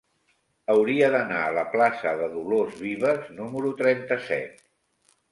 Hauria d'anar a la plaça de Dolors Vives número trenta-set.